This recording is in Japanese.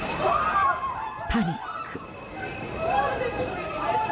パニック。